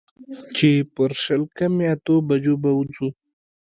چې پر شل کمې اتو بجو به وځو.